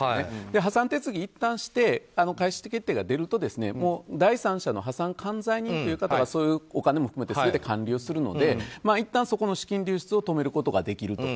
破産手続きいったんして開始決定が出ると第三者の破産管財人という方がそういうお金を含めて全て管理をするのでいったん、そこの資金流出を止めることができると。